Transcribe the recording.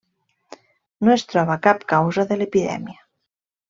No es troba cap causa de l'epidèmia.